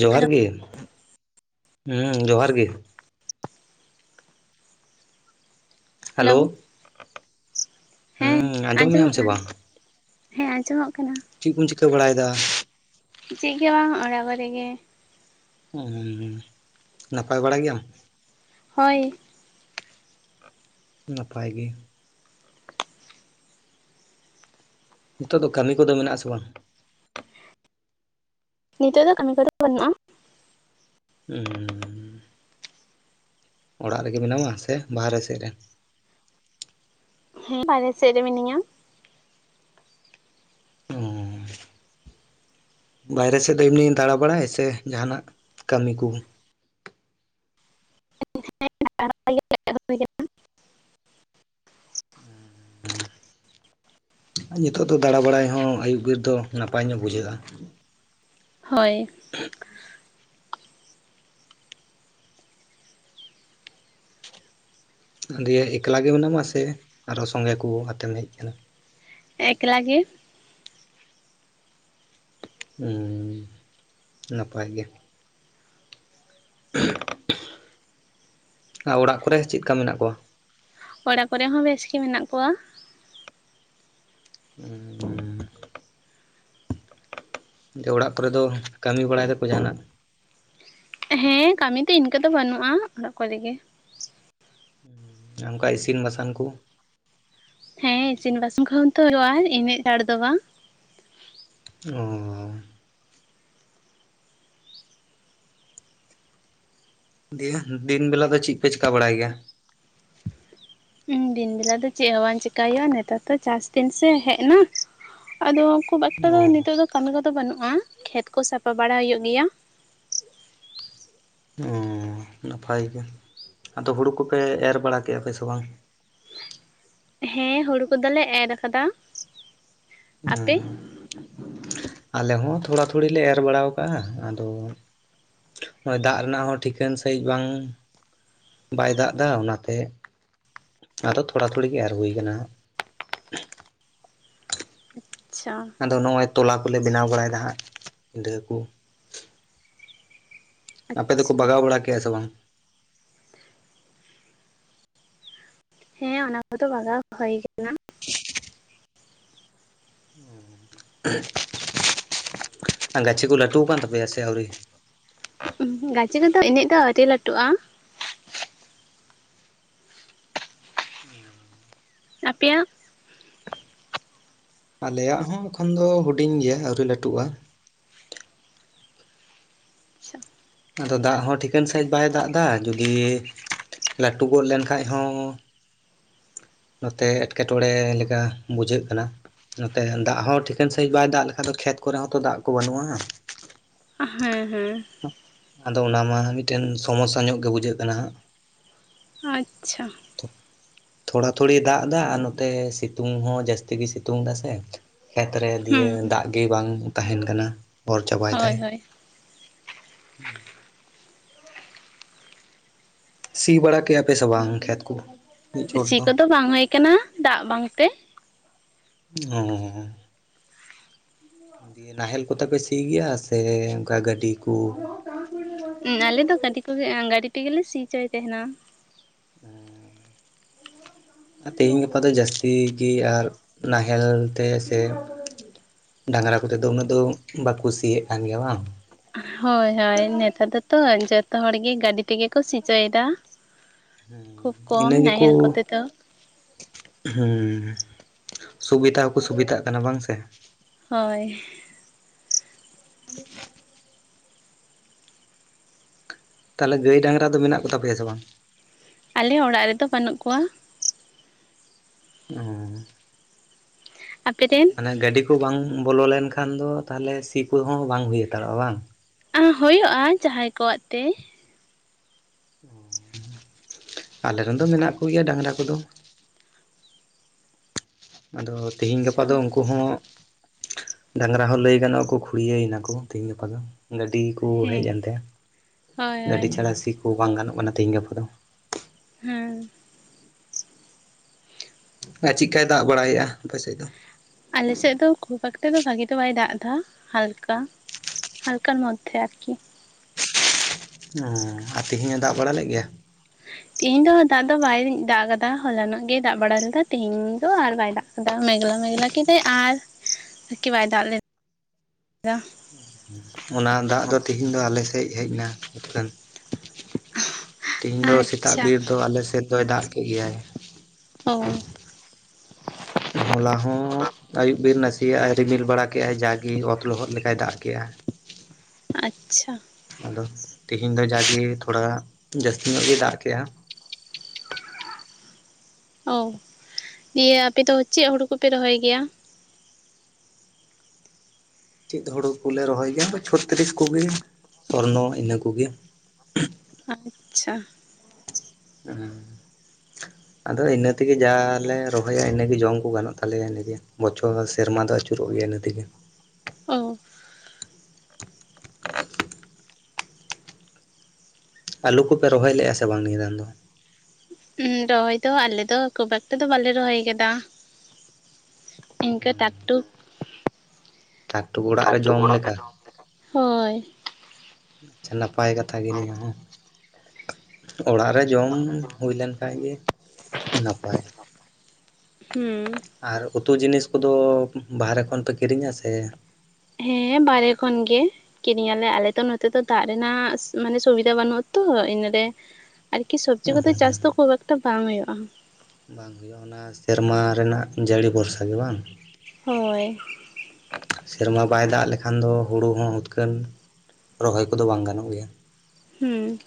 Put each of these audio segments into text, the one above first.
ᱡᱚᱦᱟᱨ ᱦᱮᱞᱳ ᱜᱮ ᱦᱩᱸ ᱡᱚᱦᱟᱨ ᱜᱮ ᱦᱮᱞᱳᱣ ᱦᱮᱞᱳ ᱦᱮᱸ ᱦᱩᱸ ᱟᱸᱡᱚᱢᱮᱜ-ᱟᱢ ᱟᱸᱡᱚᱢᱚᱜ ᱥᱮ ᱠᱟᱱᱟ ᱵᱟᱝ ᱦᱮᱸ ᱟᱸᱡᱚᱢᱚᱜ ᱠᱟᱱᱟ ᱪᱮᱜ ᱠᱚᱢ ᱪᱤᱠᱟᱹ ᱵᱟᱲᱟᱭᱮᱫᱟ ᱪᱮᱜ ᱜᱮ ᱵᱟᱝ ᱚᱲᱟᱜ ᱠᱚᱨᱮᱜ ᱜᱮ ᱩᱸ ᱱᱟᱯᱟᱭ ᱵᱟᱲᱟ ᱜᱮᱭᱟᱢ ᱦᱳᱭ ᱱᱟᱯᱟᱭ ᱜᱮ ᱱᱤᱛᱚᱜ ᱫᱚ ᱠᱟᱹᱢᱤ ᱠᱚᱫᱚ ᱢᱮᱱᱟᱜ ᱟᱥᱮ ᱵᱟᱝ ᱱᱤᱛᱚᱜ ᱫᱚ ᱠᱟᱹᱢᱤ ᱠᱚ ᱫᱚ ᱵᱟᱹᱱᱩᱜᱼᱟ ᱦᱩᱸ ᱚᱲᱟᱜ ᱨᱮᱜᱮ ᱵᱮᱱᱟᱢᱼᱟ ᱥᱮ ᱵᱟᱦᱨᱮ ᱥᱮᱜ ᱨᱮ ᱦᱮᱸ ᱵᱟᱦᱨᱮ ᱥᱮᱜ ᱨᱮ ᱢᱤᱱᱤᱧᱟ ᱚ ᱵᱟᱭᱨᱮ ᱥᱮᱫ ᱫᱚ ᱮᱢᱱᱤ ᱫᱟᱬᱟ ᱵᱟᱲᱟᱭ ᱥᱮ ᱡᱟᱦᱟᱱᱟᱜ ᱠᱟᱹᱢᱤ ᱠᱩ [unintelligible] [inaudible] ᱧᱤᱛᱚᱜ ᱫᱚ ᱫᱟᱬᱟ ᱵᱟᱲᱟᱭ ᱦᱚᱸ ᱟᱹᱭᱩᱵ ᱵᱤᱨ ᱫᱚ ᱱᱟᱯᱟᱭ ᱧᱚᱜ ᱵᱩᱡᱷᱟᱹᱜᱼᱟ ᱦᱳᱭ [inaudible] ᱫᱤᱭᱮ ᱮᱠᱞᱟ ᱜᱮ ᱢᱮᱱᱟᱢᱟ ᱥᱮ ᱟᱨ ᱦᱚᱸ ᱥᱚᱸᱜᱮ ᱠᱩ ᱟᱛᱮᱢ ᱦᱮᱡ ᱠᱟᱱᱟ ᱮᱠᱞᱟ ᱜᱮ ᱩᱸ ᱱᱟᱯᱟᱭ ᱜᱮ ᱟ ᱚᱲᱟᱜ ᱠᱚᱨᱮ ᱪᱮᱫᱠᱟ ᱢᱮᱱᱟᱜ ᱠᱚᱣᱟ ᱚᱲᱟᱜ ᱠᱚᱨᱮᱜ ᱦᱚᱸ ᱵᱮᱥᱜᱮ ᱢᱮᱱᱟᱜ ᱠᱚᱣᱟ [inaudible] ᱛᱮ ᱚᱲᱟᱜ ᱠᱚᱨᱮ ᱫᱚ ᱠᱟᱹᱢᱤ ᱵᱟᱲᱟᱭ ᱫᱟᱠᱚ ᱡᱟᱦᱟᱱᱟᱜ ᱦᱮᱸ ᱠᱟᱹᱢᱤ ᱛᱮ ᱤᱱᱠᱟᱹ ᱫᱚ ᱵᱟᱹᱱᱩᱜᱼᱟ ᱚᱲᱟᱜ ᱠᱚᱨᱮᱜ ᱜᱮ ᱚᱱᱠᱟ ᱤᱥᱤᱱ ᱵᱟᱥᱟᱝ ᱠᱚ ᱦᱮᱸ ᱤᱥᱤᱱ ᱵᱟᱥᱟᱝ ᱠᱚᱦᱚ ᱛᱚ ᱦᱩᱭᱩᱜ ᱟ ᱮᱱᱟᱹᱜ ᱪᱟᱲ ᱫᱚ ᱵᱟᱝ ᱚᱸ ᱫᱤᱭᱟᱮ ᱫᱤᱱ ᱵᱮᱞᱟ ᱫᱚ ᱪᱮᱜ ᱯᱮ ᱪᱤᱠᱟ ᱵᱟᱲᱟᱭ ᱜᱮᱭᱟ? ᱫᱤᱱ ᱵᱮᱞᱟ ᱫᱚ ᱪᱮᱜ ᱦᱚᱸ ᱵᱟᱝ ᱪᱮᱤᱠᱟᱭ ᱦᱳᱭᱳᱜᱼᱟ ᱱᱮᱛᱟᱨ ᱫᱚ ᱪᱟᱥ ᱫᱤᱱ ᱥᱮ ᱦᱮᱜ ᱮᱱᱟ᱾ ᱟᱫᱚ, ᱠᱷᱩᱵ ᱮᱠᱴᱟ ᱫᱚ ᱚ ᱱᱤᱛᱚᱜ ᱫᱚ ᱠᱟᱹᱢᱤ ᱠᱚᱫᱚ ᱵᱟᱹᱱᱩᱜᱼᱟ ᱠᱷᱮᱛ ᱠᱚ ᱥᱟᱯᱟ ᱵᱟᱲᱟ ᱦᱤᱭᱳᱜ ᱜᱮᱭᱟ᱾ ᱚᱸ ᱱᱟᱯᱟᱭ ᱜᱮ ᱟᱫᱚ ᱦᱩᱲᱩ ᱠᱚᱯᱮ ᱮᱨ ᱵᱟᱲᱟ ᱠᱮᱜᱼᱟ ᱯᱮ ᱥᱮ ᱵᱟᱝ? ᱦᱮᱸ ᱦᱚᱲᱩ ᱠᱚᱫᱚᱞᱮ ᱮᱨ ᱠᱟᱫᱟ᱾ ᱦᱮᱸ ᱟᱞᱮ ᱦᱚᱸ ᱛᱷᱚᱲᱟ ᱛᱷᱩᱲᱤ ᱮᱨ ᱵᱟᱲᱟᱣ ᱠᱟᱜᱼᱟ ᱟᱫᱚ? ᱱᱚᱜᱼᱚᱭ ᱫᱟᱜ ᱨᱮᱱᱟᱜ ᱦᱚᱸ ᱴᱷᱤᱠᱟᱹᱱ ᱥᱟᱺᱦᱤᱡ ᱵᱟᱝ, ᱵᱟᱭ ᱫᱟᱜᱽ ᱫᱟ ᱚᱱᱟᱛᱮ ᱟᱫᱚ ᱛᱷᱚᱲᱟ ᱛᱷᱩᱲᱤ ᱜᱮ ᱮᱨ ᱦᱩᱭ ᱠᱟᱱᱟ᱾ ᱟᱪᱪᱷᱟ, ᱚ ᱟᱫᱚ ᱱᱚᱜᱼᱚᱭ ᱛᱚᱞᱟ ᱠᱚᱞᱮ ᱵᱮᱱᱟᱣ ᱵᱟᱲᱟᱭᱫᱟ ᱦᱟᱸᱜ ᱯᱤᱸᱰᱷᱟᱹ ᱠᱚ᱾ ᱟᱯᱮ ᱫᱚᱠᱚ ᱟᱪᱪᱷᱟ ᱵᱟᱜᱟᱣ ᱵᱟᱲᱟ ᱠᱮᱜᱼᱟ ᱥᱮ ᱵᱟᱝ? ᱦᱮᱸ ᱚᱱᱟ ᱠᱚᱫᱚ ᱵᱟᱜᱟᱣ ᱦᱳᱭ ᱠᱟᱱᱟ᱾ [inaudible] ᱜᱟᱹᱪᱷᱤ ᱠᱩ ᱞᱟᱹᱴᱩ ᱠᱟᱱ ᱛᱟᱯᱮᱭᱟ ᱥᱮ ᱟᱣᱨᱤ? ᱜᱟᱹᱪᱷᱤ ᱠᱚᱫᱚ ᱮᱱᱮᱡ ᱫᱚ ᱟᱹᱰᱤ ᱞᱟᱹᱴᱩᱜᱼᱟ᱾ [inaudible] ᱟᱯᱮᱭᱟᱜ? ᱟᱞᱮᱭᱟᱜ ᱦᱚᱸ ᱮᱠᱷᱚᱱ ᱫᱚ ᱦᱩᱰᱤᱧ ᱜᱮᱭᱟ ᱟᱹᱣᱨᱤ ᱞᱟᱹᱴᱩᱜᱼᱟ᱾ ᱟᱫᱚ ᱫᱟᱜᱲᱦᱚᱸ ᱴᱷᱤᱠᱟᱹᱱ ᱥᱟᱺᱦᱤᱡ ᱵᱟᱭᱽ ᱫᱟᱜ ᱫᱟ ᱡᱩᱫᱤ ᱞᱟᱹᱴᱩ ᱜᱚᱫ ᱞᱮᱱ ᱠᱷᱟᱱᱡ ᱦᱚᱸ ᱱᱚᱛᱮ ᱮᱸᱴᱠᱮᱴᱚᱬᱮ ᱞᱮᱠᱟ ᱵᱩᱡᱷᱟᱹᱜ ᱠᱟᱱᱟ᱾ ᱱᱚᱛᱮ ᱫᱟᱜᱽ ᱦᱚᱸ ᱴᱷᱤᱠᱟᱹᱱ ᱥᱟᱺᱦᱤᱡ ᱵᱟᱭ ᱫᱟᱜ ᱞᱮᱠᱷᱟᱡ ᱫᱚ ᱠᱷᱮᱛ ᱠᱚᱨᱮ ᱦᱚᱸᱛᱚ ᱫᱟᱜᱽ ᱠᱚ ᱵᱟᱹᱱᱩᱜᱼᱟ᱾ ᱟᱸ ᱦᱮᱸ ᱦᱮᱸ᱾ ᱟᱫᱚ ᱚᱱᱟ ᱢᱟ ᱢᱤᱜᱴᱮᱱ ᱥᱚᱢᱚᱥᱥᱟ ᱧᱚᱜ ᱜᱮ ᱵᱩᱡᱷᱟᱹᱜ ᱠᱟᱱᱟ ᱦᱟᱸᱜ᱾ ᱟᱪᱪᱷᱟ᱾ ᱛᱷᱚ ᱛᱷᱚᱲᱟ ᱛᱷᱩᱲᱤ ᱫᱟᱜᱲ ᱫᱟ ᱟᱨ ᱱᱚᱛᱮ ᱥᱤᱛᱩᱝ ᱦᱚᱸ ᱡᱟᱹᱥᱛᱤ ᱜᱤ ᱥᱤᱛᱩᱝ ᱫᱟᱥᱮ᱾ ᱠᱷᱮᱛᱨᱮ ᱫᱤᱭᱮ ᱦᱩᱸ ᱫᱟᱜᱽ ᱜᱮᱹ ᱵᱟᱝ ᱛᱟᱦᱮᱱ ᱠᱟᱱᱟ ᱚᱨ ᱪᱟᱵᱟᱭ ᱫᱟᱭ᱾ ᱦᱳᱭ ᱦᱳᱭ [inaudible] ᱥᱤ ᱵᱟᱲᱟ ᱠᱮᱭᱟᱯᱮ ᱥᱮ ᱵᱟᱝ ᱠᱷᱮᱛ ᱠᱚ? ᱢᱤᱫ ᱪᱷᱚᱴ ᱥᱤ ᱫᱚ ᱠᱚᱫᱚ ᱵᱟᱝ ᱦᱩᱭᱠᱟᱱᱟ ᱫᱟᱜ ᱵᱟᱝᱛᱮ᱾ ᱚᱻ ᱫᱤᱭᱮ ᱱᱟᱦᱮᱞ ᱠᱚᱛᱟᱯᱮ ᱥᱤ ᱜᱮᱭᱟ ᱥᱮ ᱚᱝᱠᱟ ᱜᱟᱹᱰᱤ ᱠᱩ? ᱩᱸ ᱟᱞᱮ ᱫᱚ ᱜᱟᱹᱰᱤ ᱠᱚᱜᱮ ᱮᱸ ᱜᱟᱹᱰᱤ ᱛᱮᱜᱮ ᱥᱤᱪᱚᱭ ᱛᱟᱦᱮᱱᱟ᱾ ᱦᱮᱸ ᱟ ᱛᱮᱦᱤᱧ ᱜᱟᱯᱟ ᱫᱚ ᱡᱟᱹᱥᱛᱤ ᱜᱤ ᱟᱨ ᱱᱟᱦᱮᱞ ᱛᱮ ᱥᱮ ᱰᱟᱝᱨᱟ ᱠᱚᱛᱮ ᱫᱚ ᱩᱱᱟᱹᱜ ᱫᱚ ᱵᱟᱠᱩ ᱥᱤᱭᱮᱜ ᱠᱟᱱ ᱜᱮᱭᱟ ᱵᱟᱝ? ᱦᱳᱭ ᱦᱳᱭ ᱱᱮᱛᱟᱨ ᱫᱚᱛᱚ ᱡᱚᱛᱚ ᱦᱚᱲ ᱜᱮ ᱜᱟᱹᱰᱤ ᱛᱮᱜᱮ ᱠᱚ ᱥᱤᱪᱚᱭᱫᱟ᱾ ᱦᱩ ᱤᱱᱟᱹ ᱜᱮᱠᱚ ᱠᱚᱛᱮ ᱫᱚ ᱦᱩᱸ ᱥᱩᱵᱤᱛᱟ ᱦᱚᱸᱠᱚ ᱥᱩᱵᱤᱛᱟᱜ ᱠᱟᱱᱟ ᱵᱟᱝ ᱥᱮ? ᱦᱳᱭ [inaudible] ᱛᱟᱞᱮ ᱜᱟᱹᱭ ᱰᱟᱝᱨᱟ ᱫᱚ ᱢᱮᱱᱟᱜ ᱠᱚ ᱛᱟᱯᱮᱭᱟ ᱥᱮ ᱵᱟᱝ? ᱟᱞᱮ ᱚᱲᱟᱜ ᱨᱮᱫᱚ ᱵᱟᱹᱱᱩᱜ ᱠᱚᱣᱟ᱾ ᱚ ᱟᱯᱮ ᱨᱮᱱ? ᱢᱟᱱᱮ ᱜᱟᱹᱰᱤ ᱠᱚ ᱵᱟᱝ ᱵᱚᱞᱚ ᱞᱮᱱ ᱠᱷᱟᱱ ᱫᱚ ᱛᱟᱦᱞᱮ ᱥᱤ ᱠᱚᱦᱚᱸ ᱵᱟᱝ ᱦᱩᱭ ᱦᱟᱛᱟᱲᱚᱜᱼᱟ ᱵᱟᱝ? ᱟ ᱦᱩᱭᱩᱜᱼᱟ ᱡᱟᱦᱟᱸᱭ ᱠᱚᱣᱟᱜ ᱛᱮ᱾ ᱟᱞᱮ ᱨᱮᱱ ᱫᱚ ᱢᱮᱱᱟᱜ ᱠᱚᱜᱮᱭᱟ ᱰᱟᱝᱨᱟ ᱠᱚᱫᱚ᱾ ᱟᱫᱚ ᱛᱮᱤᱦᱤᱧ ᱜᱟᱯᱟ ᱟᱪᱪᱷᱟ ᱫᱚ ᱩᱝ ᱠᱩᱦᱚᱸ ᱰᱟᱝᱨᱟ ᱦᱚᱸ ᱞᱟᱹᱭ ᱜᱟᱱᱚᱜᱼᱟ ᱠᱚ ᱠᱷᱩᱲᱤᱭᱟᱹᱭ ᱱᱟᱠᱚ ᱛᱮᱦᱤᱧ ᱜᱟᱯᱟ ᱫᱚ ᱜᱟᱹᱰᱤ ᱠᱚ ᱦᱮᱡ ᱦᱮᱸ ᱮᱱᱛᱮ ᱦᱳᱭ ᱜᱟᱹᱰᱤ ᱦᱳᱭ ᱪᱷᱟᱲᱟ ᱥᱤ ᱠᱚ ᱵᱟᱝ ᱜᱟᱱᱚᱜ ᱠᱟᱱᱟ ᱛᱤᱦᱤᱧ ᱜᱟᱯᱟ ᱫᱚ᱾ ᱦᱮᱸ ᱟ ᱪᱮᱜᱠᱟᱭ ᱫᱟᱜ ᱵᱟᱲᱟᱭᱮᱜᱼᱟ ᱟᱯᱮ ᱥᱮᱜ ᱫᱚ? ᱟᱞᱮᱥᱮᱫ ᱫᱚ ᱠᱷᱩᱵ ᱮᱠᱴᱟ ᱫᱚ ᱵᱷᱟᱜᱤ ᱫᱚ ᱵᱟᱭ ᱫᱟᱜ ᱫᱟ ᱦᱟᱞᱠᱟ᱾ ᱦᱟᱞᱠᱟᱨ ᱢᱫᱷᱮ ᱟᱨᱠᱤ᱾ ᱚ ᱟᱨ ᱛᱮᱦᱮᱧ ᱮ ᱫᱟᱜ ᱵᱟᱲᱟ ᱞᱮᱜ ᱜᱮᱭᱟ? ᱛᱮᱦᱤᱧ ᱫᱚ ᱫᱟᱜ ᱫᱚ ᱵᱟᱭ ᱫᱟᱜ ᱠᱟᱫᱟ ᱦᱚᱞᱟᱱᱚᱜ ᱜᱮ ᱫᱟᱜ ᱵᱟᱲᱟ ᱞᱮᱫᱟ ᱛᱮᱤᱦᱤᱧ ᱫᱚ ᱟᱨ ᱵᱟᱭ ᱫᱟᱜ ᱫᱟᱜ ᱢᱮᱜᱞᱟ ᱢᱮᱜᱞᱟ ᱠᱮᱫᱟᱭ ᱟᱨ ᱮᱠᱤ ᱵᱟᱭ ᱫᱟᱜ ᱞᱮᱫ ᱫᱟ᱾ ᱚᱱᱟ ᱫᱟᱜ ᱫᱚ ᱛᱮᱦᱤᱧ ᱫᱚ ᱟᱞᱮ ᱥᱮᱜ ᱦᱮᱡ ᱮᱱᱟ ᱤᱠᱷᱟᱹᱱ᱾ ᱛᱮᱦᱤᱧ ᱫᱚ ᱥᱮᱛᱟᱜ ᱟᱪᱪᱷᱟ ᱵᱤᱨ ᱫᱚ ᱟᱞᱮ ᱥᱮᱫ ᱫᱚᱭ ᱫᱟᱜ ᱠᱮᱜ ᱜᱮᱭᱟᱭ᱾ ᱚᱼ ᱦᱚᱞᱟ ᱦᱚᱸ ᱟᱹᱭᱩᱵ ᱵᱮᱨ ᱱᱟᱥᱮᱭᱟᱜᱼᱟᱭ ᱨᱤᱢᱤᱞ ᱵᱟᱲᱟ ᱠᱮᱜᱼᱟᱭ ᱡᱟᱜᱮ ᱚᱛ ᱞᱚᱦᱚᱫ ᱞᱮᱠᱟᱭ ᱫᱟᱜ ᱠᱮᱜᱼᱟ᱾ ᱟᱪᱪᱷᱟ ᱟᱫᱚ ᱛᱤᱦᱤᱧ ᱫᱚ ᱡᱟᱜᱮ ᱛᱷᱚᱲᱟ ᱡᱟᱹᱥᱛᱤ ᱧᱚᱜ ᱜᱮ ᱫᱟᱜ ᱠᱮᱜᱼᱟ᱾ ᱚ ᱫᱤᱭᱮ ᱟᱯᱮ ᱫᱚ ᱪᱮᱜ ᱦᱩᱲᱩ ᱠᱚᱯᱮ ᱨᱚᱦᱚᱭ ᱜᱮᱭᱟ? ᱪᱮᱫ ᱦᱩᱲᱩ ᱠᱚᱞᱮ ᱨᱚᱦᱚᱭ ᱜᱮᱭᱟ ᱚᱝᱠᱟ ᱪᱷᱚᱛᱛᱨᱤᱥ ᱠᱚᱜᱮ ᱥᱚᱨᱱᱚ ᱤᱱᱟᱹ ᱠᱚᱜᱮ᱾ ᱟᱪᱪᱷᱟ ᱦᱮᱸ ᱟᱫᱚ ᱤᱱᱟᱹ ᱛᱮᱜᱮ ᱡᱟᱞᱮ ᱨᱚᱦᱚᱭᱟ ᱤᱱᱟᱹᱜᱮ ᱡᱚᱢ ᱠᱚ ᱜᱟᱱᱚᱜ ᱛᱟᱞᱮᱭᱟ ᱤᱱᱟᱹᱜᱮ ᱵᱚᱪᱷᱚᱨ ᱥᱮᱨᱢᱟ ᱫᱚ ᱟᱹᱪᱩ ᱨᱤᱜ ᱜᱮᱭᱟ ᱤᱱᱟᱹ ᱛᱮᱜᱮ ᱚ ᱟᱹᱞᱩ ᱠᱚᱯᱮ ᱨᱚᱦᱚᱭ ᱞᱮᱼᱟ ᱥᱮ ᱵᱟᱝ ᱱᱤᱭᱟᱹ ᱫᱟᱱ ᱫᱚ ᱨᱚᱦᱚᱭ ᱫᱚ ᱟᱞᱮ ᱫᱚ ᱠᱷᱩᱵ ᱮᱠᱴᱟᱞ ᱫᱚ ᱵᱟᱞᱮ ᱨᱚᱦᱚᱭ ᱠᱟᱫᱟ ᱤᱱᱠᱟᱹ ᱴᱟᱠ ᱴᱩᱠ ᱴᱟᱠ ᱴᱩᱠ ᱚᱲᱟᱜ ᱨᱮ ᱡᱚᱢ ᱞᱮᱠᱟ ᱦᱳᱭ ᱟᱪᱪᱷᱟ ᱱᱟᱯᱟᱭ ᱠᱟᱛᱷᱟ ᱜᱮ ᱱᱤᱭᱟᱹ ᱦᱚᱸ ᱚᱲᱟᱜ ᱨᱮ ᱡᱚᱢ ᱦᱩᱭᱞᱮᱱ ᱠᱷᱟᱡ ᱜᱮ ᱱᱟᱯᱟᱭ ᱦᱩᱸ ᱟᱨ ᱩᱛᱩ ᱡᱤᱱᱤᱥ ᱠᱚᱫᱚ ᱵᱟᱦᱨᱮ ᱠᱷᱚᱱ ᱯᱮ ᱠᱤᱨᱤᱧᱟ ᱥᱮ ᱦᱮᱸ ᱵᱟᱨᱦᱮ ᱠᱷᱚᱱ ᱜᱮ ᱠᱤᱨᱤᱧ ᱟᱞᱮ ᱟᱞᱮ ᱛᱚ ᱱᱚᱛᱮ ᱫᱚ ᱫᱟᱜ ᱨᱮᱱᱟᱜ ᱢᱟᱱᱮ ᱥᱩᱵᱤᱫᱷᱟ ᱵᱟᱹᱱᱩᱜ ᱟᱛᱚ ᱤᱱᱟᱨᱮ ᱟᱨᱠᱤ ᱥᱚᱵᱽᱡᱤ ᱠᱚᱫᱚ ᱪᱟᱥ ᱫᱚ ᱠᱷᱩᱵ ᱮᱠᱴᱟ ᱵᱟᱝ ᱦᱩᱭᱩᱜᱼᱟ ᱵᱟᱝ ᱦᱩᱭᱩᱜᱼᱟ ᱚᱱᱟ ᱥᱮᱨᱢᱟ ᱨᱮᱱᱟᱜ ᱡᱟᱹᱲᱤ ᱵᱷᱚᱨᱥᱟ ᱜᱮ ᱵᱟᱝ ᱦᱳᱭ ᱥᱮᱨᱢᱟ ᱵᱟᱭ ᱫᱟᱜ ᱞᱮᱠᱷᱟᱱ ᱫᱚ ᱦᱩᱲᱩ ᱦᱚᱸ ᱦᱩᱛᱠᱟᱹᱱ ᱨᱚᱦᱚᱭ ᱠᱚᱫᱚ ᱵᱟᱝ ᱜᱟᱱᱚᱜ ᱜᱮᱭᱟ ᱦᱩᱸ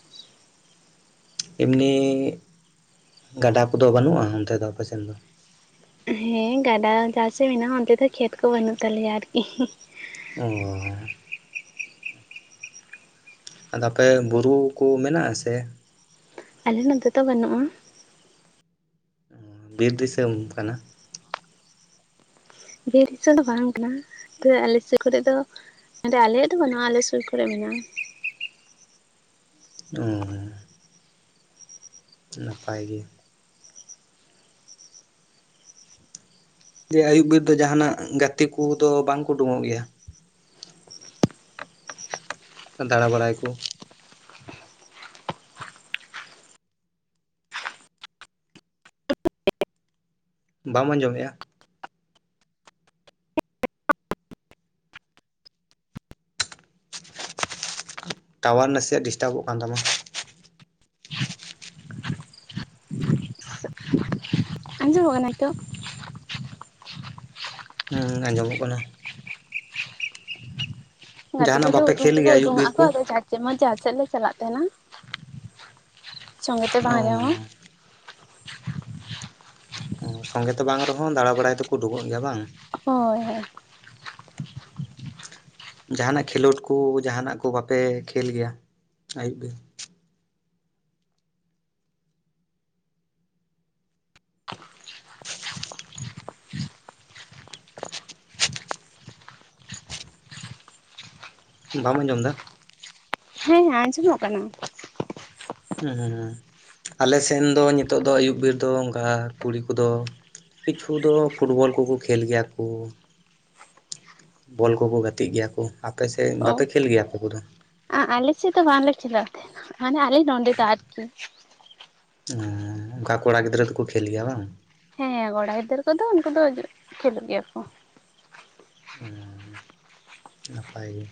ᱮᱢᱱᱤ ᱜᱟᱰᱟ ᱠᱚᱫᱚ ᱵᱟᱹᱱᱩᱜᱼᱟ ᱚᱱᱛᱮ ᱫᱚ ᱟᱯᱮᱥᱮᱱ ᱫᱚ ᱦᱮᱸ ᱜᱟᱰᱟ ᱡᱟᱷᱟᱥᱮᱡ ᱢᱮᱱᱟᱜᱼᱟ ᱚᱱᱛᱮ ᱫᱚ ᱠᱷᱮᱛ ᱠᱚ ᱵᱟᱹᱱᱩᱜ ᱛᱟᱞᱮᱭᱟ ᱟᱨᱠᱤ ᱚᱼ ᱟᱫᱚ ᱟᱯᱮ ᱵᱩᱨᱩ ᱠᱚ ᱢᱮᱱᱟᱜᱼᱟ ᱥᱮ ᱟᱞᱮ ᱱᱚᱛᱮ ᱫᱚ ᱵᱟᱹᱱᱩᱜᱼᱟ ᱵᱤᱨ ᱫᱤᱥᱚᱢ ᱠᱟᱱᱟ ᱵᱤᱨ ᱫᱤᱥᱚᱢ ᱫᱚ ᱵᱟᱝ ᱠᱟᱱᱟ ᱛᱚ ᱟᱞᱮᱥᱮᱫ ᱠᱚᱨᱮ ᱫᱚ ᱱᱚᱰᱮ ᱟᱞᱮᱭᱟᱜ ᱫᱚ ᱵᱟᱹᱱᱩᱜᱼᱟ ᱟᱞᱮ ᱥᱩᱨ ᱠᱚᱨᱮ ᱢᱮᱱᱟᱜᱼᱟ ᱚᱼ ᱱᱟᱯᱟᱭ ᱜᱮ ᱡᱮ ᱟᱹᱭᱩᱵ ᱵᱮᱨ ᱫᱚ ᱡᱟᱦᱟᱱᱟᱜ ᱜᱟᱛᱮ ᱠᱚᱫᱚ ᱵᱟᱝ ᱠᱚ ᱩᱰᱩᱠᱚᱜ ᱜᱮᱭᱟ ᱫᱟᱬᱟ ᱵᱟᱲᱟᱭ ᱠᱚ ᱵᱟᱢ ᱟᱸᱡᱚᱢᱮᱜᱼᱟ ᱴᱟᱣᱟᱨ ᱱᱟᱥᱮᱭᱟᱜ ᱰᱤᱥᱴᱟᱵᱚᱜ ᱠᱟᱱ ᱛᱟᱢᱟ ᱟᱸᱡᱚᱢᱚᱜ ᱠᱟᱱᱟ ᱱᱤᱛᱳᱜ ᱦᱩᱸ ᱟᱸᱡᱚᱢᱚᱜ ᱠᱟᱱᱟ ᱜᱟᱛᱮ ᱡᱟᱦᱟᱱᱟᱜ ᱠᱚᱫᱚ ᱵᱟᱯᱮ ᱩᱰᱩᱝ ᱠᱷᱮᱞ ᱫᱚᱠᱚ ᱜᱮᱭᱟ ᱟᱹᱭᱩᱵ ᱩᱰᱩᱝᱚᱜ ᱵᱤᱨ ᱟᱠᱚ ᱠᱚ ᱟᱫᱚ ᱡᱮᱢᱚᱱ ᱡᱟᱦᱟᱸ ᱥᱮᱫ ᱞᱮ ᱪᱟᱞᱟᱜ ᱛᱟᱦᱮᱱᱟ ᱥᱚᱸᱜᱮ ᱛᱮ ᱚ ᱵᱟᱝ ᱨᱮᱦᱚᱸ ᱥᱚᱸᱜᱮ ᱛᱮ ᱵᱟᱝ ᱨᱮᱦᱚᱸ ᱫᱟᱬᱟ ᱵᱟᱲᱟᱭ ᱫᱚᱠᱚ ᱩᱰᱩᱠᱚᱜ ᱜᱮᱭᱟ ᱵᱟᱝ ᱦᱳᱭ ᱦᱳᱭ ᱡᱟᱦᱟᱱᱟᱜ ᱠᱷᱮᱞᱳᱰ ᱠᱚ ᱡᱟᱦᱟᱱᱟᱜ ᱠᱚ ᱵᱟᱯᱮ ᱠᱷᱮᱞ ᱜᱮᱭᱟ ᱟᱹᱭᱩᱵ ᱵᱮᱨ ᱵᱟᱢ ᱟᱸᱡᱚᱢ ᱮᱫᱟ ᱦᱮᱸ ᱟᱸᱡᱚᱢᱚᱜ ᱠᱟᱱᱟ ᱟᱞᱮ ᱥᱮᱱ ᱫᱚ ᱱᱤᱛᱚᱜ ᱫᱚ ᱟᱹᱭᱩᱵ ᱵᱮᱨ ᱫᱚ ᱚᱱᱠᱟ ᱠᱩᱲᱤ ᱠᱚᱫᱚ ᱠᱤᱪᱷᱩ ᱫᱚ ᱯᱷᱩᱴᱵᱚᱞ ᱠᱚᱠᱚ ᱠᱷᱮᱞ ᱜᱮᱭᱟ ᱠᱚ ᱵᱚᱞ ᱠᱚᱠᱚ ᱜᱟᱛᱮᱜ ᱜᱮᱭᱟ ᱠᱚ ᱟᱯᱮ ᱥᱮᱱ ᱚ ᱵᱟᱯᱮ ᱠᱷᱮᱞ ᱜᱮᱭᱟ ᱟᱯᱮ ᱠᱚᱫᱚ ᱟᱞᱮ ᱥᱮᱡ ᱫᱚ ᱵᱟᱝᱞᱮ ᱫᱚ ᱠᱷᱮᱞᱳᱜᱟ ᱛᱟᱦᱮᱱᱟ ᱢᱟᱱᱮ ᱟᱞᱮ ᱱᱚᱰᱮ ᱫᱚ ᱟᱨᱠᱤ ᱚᱱᱠᱟ ᱠᱚᱲᱟ ᱜᱤᱫᱽᱨᱟᱹ ᱫᱚᱠᱚ ᱠᱷᱮᱞ ᱜᱮᱭᱟ ᱵᱟᱝ ᱦᱮᱸ ᱦᱮᱸ ᱠᱚᱲᱟ ᱜᱤᱫᱟᱹᱨ ᱠᱚᱫᱚ ᱩᱱᱠᱩ ᱫᱚ ᱠᱷᱮᱞᱳᱜ ᱜᱮᱭᱟ ᱠᱚ ᱦᱩᱸ ᱱᱟᱯᱟᱭ ᱜᱮ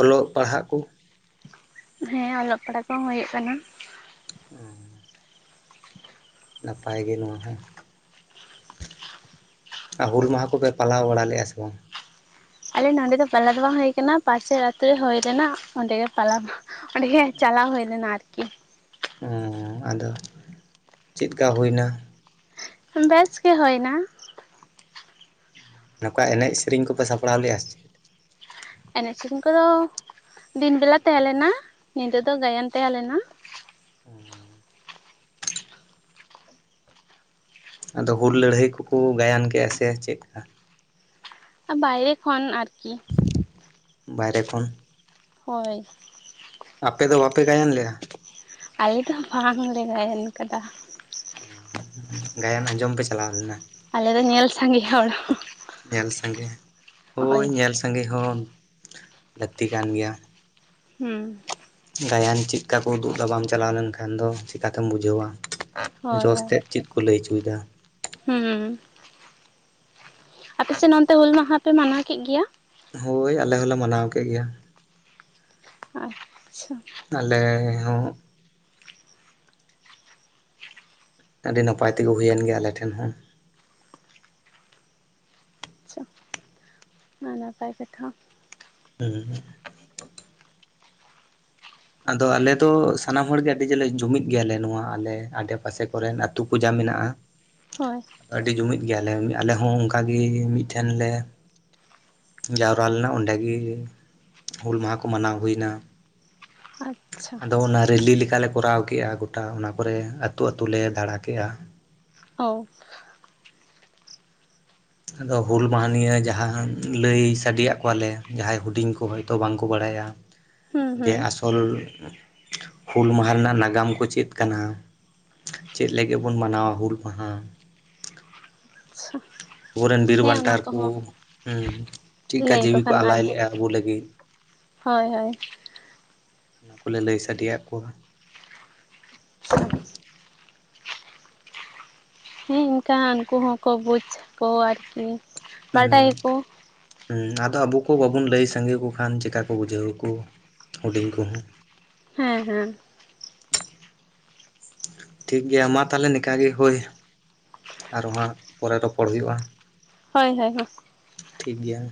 ᱚᱞᱚᱜ ᱯᱟᱲᱦᱟᱜ ᱠᱩ ᱦᱮᱸ ᱚᱞᱚᱜ ᱯᱟᱲᱦᱟᱜ ᱠᱚᱦᱚ ᱦᱩᱭᱩᱜ ᱠᱟᱱᱟ ᱚ ᱱᱟᱯᱟᱭ ᱜᱮ ᱱᱚᱣᱟ ᱦᱚᱸ ᱟᱨ ᱦᱩᱞ ᱢᱟᱦᱟ ᱠᱚᱯᱮ ᱯᱟᱞᱟᱣ ᱵᱟᱲᱟ ᱞᱮᱫᱼᱟ ᱥᱮ ᱵᱟᱝ? ᱟᱞᱮ ᱱᱚᱰᱮ ᱫᱚ ᱯᱟᱞᱟ ᱫᱚ ᱵᱟᱝ ᱦᱩᱭ ᱠᱟᱱᱟ ᱯᱟᱥᱮᱨ ᱟᱛᱩ ᱨᱮ ᱦᱩᱭ ᱨᱮᱱᱟᱜ ᱚᱸᱰᱮ ᱜᱮ ᱯᱟᱞᱟ᱾ ᱚᱸᱰᱮ ᱜᱮ ᱦᱟᱸᱜ ᱪᱟᱞᱟᱣ ᱦᱩᱭ ᱞᱮᱱᱟ ᱟᱨᱠᱤ᱾ ᱚ ᱟᱫᱚ ᱪᱮᱫ ᱞᱮᱠᱟ ᱦᱩᱭ ᱮᱱᱟ᱾ ᱵᱮᱥ ᱜᱮ ᱦᱩᱭ ᱮᱱᱟ᱾ ᱱᱚᱝᱠᱟ ᱮᱱᱮᱡ ᱥᱮᱨᱮᱧ ᱠᱚᱯᱮ ᱥᱟᱯᱲᱟᱣ ᱞᱮᱼᱟ ᱪᱮ? ᱮᱱᱮᱡ ᱥᱮᱨᱮᱧ ᱠᱚᱫᱚ ᱫᱤᱱ ᱵᱮᱞᱟ ᱛᱟᱦᱮᱸ ᱞᱮᱱᱟ ᱧᱤᱫᱟᱹ ᱫᱚ ᱜᱟᱭᱟᱱ ᱛᱟᱦᱮᱸ ᱞᱮᱱᱟ᱾ ᱟᱫᱚ ᱦᱩᱞ ᱞᱟᱹᱲᱦᱟᱹᱭ ᱠᱚᱠᱚ ᱜᱟᱭᱟᱱ ᱠᱮᱫᱼᱟ ᱥᱮ ᱪᱮᱫ ᱞᱮᱠᱟ? ᱵᱟᱭᱨᱮ ᱠᱷᱚᱱ ᱟᱨᱠᱤ᱾ ᱵᱟᱭᱨᱮ ᱠᱷᱚᱱ᱾ ᱦᱳᱭ ᱟᱯᱮ ᱫᱚ ᱵᱟᱯᱮ ᱜᱟᱭᱟᱱ ᱞᱮᱫ-ᱟ? ᱟᱞᱮ ᱫᱚ ᱵᱟᱝ ᱞᱮ ᱜᱟᱭᱟᱱ ᱟᱠᱟᱫᱟ ᱜᱟᱭᱟᱱ ᱟᱸᱡᱚᱢ ᱯᱮ ᱪᱟᱞᱟᱣ ᱞᱮᱱᱟ? ᱟᱞᱮ ᱫᱚ ᱧᱮᱞ ᱥᱟᱸᱜᱮ ᱦᱚᱲ ᱧᱮᱞ ᱥᱟᱜᱮ ᱦᱳᱭ ᱧᱮᱞ ᱥᱟᱸᱜᱮ ᱦᱚᱸ ᱞᱟᱹᱠᱛᱤ ᱠᱟᱱ ᱜᱮᱭᱟ ᱦᱮᱸ ᱜᱟᱭᱟᱱ ᱪᱮᱫᱠᱟ ᱠᱚ ᱩᱫᱩᱜ ᱮᱫᱟ ᱵᱟᱢ ᱪᱟᱞᱟᱣ ᱞᱮᱱᱠᱷᱟᱱ ᱫᱚ ᱪᱮᱠᱟᱛᱮᱢ ᱵᱩᱡᱷᱟᱹᱣᱟ ᱦᱳᱭ ᱡᱚᱥ ᱦᱳᱭ ᱛᱮᱫ ᱪᱮᱫ ᱠᱚ ᱞᱟᱹᱭ ᱚᱪᱚᱭᱮᱫᱟ ᱦᱩᱸ ᱟᱯᱮ ᱥᱮᱫ ᱚᱱᱚᱛᱮ ᱦᱩᱞ ᱢᱟᱦᱟ ᱯᱮ ᱢᱟᱱᱟᱣ ᱠᱮᱫ ᱜᱮᱭᱟ ᱦᱳᱭ ᱟᱞᱮ ᱦᱚᱞᱮ ᱢᱟᱱᱟᱣ ᱠᱮᱫ ᱜᱮᱭᱟ ᱟᱪᱪᱷᱟ ᱟᱞᱮ ᱦᱚᱸ ᱟᱹᱰᱤ ᱱᱟᱯᱟᱭ ᱛᱮᱜᱮ ᱦᱩᱭᱮᱱ ᱜᱮᱭᱟ ᱟᱞᱮ ᱴᱷᱮᱱ ᱦᱚᱸ ᱢᱟ ᱱᱟᱯᱟᱭ ᱠᱟᱛᱷᱟ ᱦᱩᱸ ᱟᱫᱚ ᱟᱞᱮ ᱫᱚ ᱥᱟᱱᱟᱢ ᱦᱚᱲᱜᱮ ᱟᱹᱰᱤ ᱡᱚᱨᱞᱮ ᱡᱩᱢᱤᱫ ᱜᱮᱭᱟ ᱞᱮ ᱱᱚᱣᱟ ᱟᱞᱮ ᱟᱰᱮ ᱯᱟᱥᱮ ᱠᱚᱨᱮᱱ ᱟᱛᱩ ᱠᱚ ᱡᱟ ᱢᱮᱱᱟᱜᱼᱟ ᱦᱳᱭ ᱟᱹᱰᱤ ᱡᱩᱢᱤᱫ ᱜᱮᱭᱟᱞᱮ ᱟᱞᱮ ᱦᱚᱸ ᱚᱱᱠᱟ ᱜᱮ ᱢᱤᱫᱴᱷᱮᱱ ᱞᱮ ᱡᱟᱣᱨᱟ ᱞᱮᱱᱟ ᱚᱸᱰᱮ ᱜᱮ ᱦᱩᱞ ᱢᱟᱦᱟᱸ ᱠᱚ ᱢᱟᱱᱟᱣ ᱦᱩᱭ ᱮᱱᱟ ᱟᱪᱪᱷᱟ ᱟᱫᱚ ᱚᱱᱟ ᱨᱮᱞᱤ ᱞᱮᱠᱟᱞᱮ ᱠᱚᱨᱟᱣ ᱠᱮᱜᱼᱟ ᱜᱚᱴᱟ ᱚᱱᱟ ᱠᱚᱨᱮ ᱟᱹᱛᱳ ᱟᱹᱛᱳ ᱞᱮ ᱫᱟᱬᱟ ᱠᱮᱜᱼᱟ ᱚᱻ ᱟᱫᱚ ᱦᱩᱞ ᱢᱟᱦᱟ ᱱᱤᱭᱟᱹ ᱡᱟᱦᱟᱸ ᱞᱟᱹᱭ ᱥᱟᱰᱮᱭᱟᱜ ᱠᱚᱣᱟᱞᱮ ᱡᱟᱦᱟᱸᱭ ᱦᱩᱰᱤᱧ ᱠᱚ ᱦᱚᱭᱛᱳ ᱵᱟᱝᱠᱚ ᱵᱟᱲᱟᱭᱟ ᱦᱩᱸ ᱡᱮ ᱦᱩᱸ ᱟᱥᱚᱞ ᱦᱩᱞ ᱢᱟᱦᱟᱸ ᱨᱮᱱᱟᱜ ᱱᱟᱜᱟᱢ ᱠᱚ ᱪᱮᱫ ᱠᱟᱱᱟ ᱪᱮᱫ ᱞᱟᱹᱜᱤᱫ ᱵᱚᱱ ᱢᱟᱱᱟᱣᱟ ᱦᱩᱞ ᱢᱟᱦᱟ ᱟᱪᱪᱷᱟ ᱟᱵᱚᱨᱮᱱ ᱵᱤᱨ ᱦᱮᱸ ᱚᱱᱟ ᱵᱟᱱᱴᱟᱨ ᱠᱚ ᱠᱚᱦᱚᱸ ᱦᱩᱸ ᱪᱮᱫ ᱠᱟ ᱞᱟᱹᱭᱟᱠᱚ ᱡᱤᱣᱤ ᱠᱚ ᱠᱷᱟᱱ ᱟᱨ ᱟᱞᱟᱭ ᱞᱮᱫᱼᱟ ᱟᱵᱚ ᱞᱟᱹᱜᱤᱫ ᱦᱳᱭ ᱦᱳᱭ ᱚᱱᱟ ᱠᱚᱞᱮ ᱞᱟᱹᱭ ᱥᱟᱰᱮᱭᱟᱜ ᱠᱚᱣᱟ ᱟᱪᱪᱷᱟ ᱦᱮᱸ ᱤᱱᱠᱟᱱ ᱩᱱᱠᱩ ᱦᱚᱸᱠᱚ ᱵᱩᱡᱽ ᱟᱠᱚ ᱟᱨᱠᱤ ᱦᱮᱸ ᱵᱟᱰᱟᱭᱟᱠᱚ ᱦᱮᱸ ᱟᱫᱚ ᱟᱵᱚ ᱠᱚ ᱵᱟᱵᱩᱱ ᱞᱟᱹᱭ ᱥᱟᱸᱜᱮ ᱠᱚ ᱠᱷᱟᱱ ᱪᱮᱠᱟᱹ ᱠᱚ ᱵᱩᱡᱷᱟᱹᱣᱟᱠᱚ ᱦᱩᱰᱤᱧ ᱠᱚᱦᱚᱸ ᱦᱮᱸ ᱦᱮᱸ ᱴᱷᱤᱠ ᱜᱮᱭᱟ ᱢᱟ ᱛᱟᱦᱚᱞᱮ ᱱᱤᱝᱠᱟ ᱜᱮ ᱦᱳᱭ᱾ ᱟᱨᱦᱚᱸ ᱦᱟᱸᱜ ᱯᱚᱨᱮ ᱨᱚᱯᱚᱲ ᱦᱩᱭᱩᱜᱼᱟ᱾ ᱦᱳᱭ ᱦᱳᱭ ᱦᱳᱭ᱾ ᱴᱷᱤᱠ ᱜᱮᱭᱟ᱾